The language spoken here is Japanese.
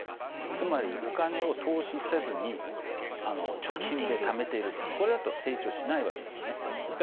つまりお金を投資せずに貯金でためているとこれだと成長しないわけですよね。